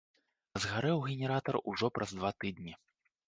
А згарэў генератар ужо праз два тыдні.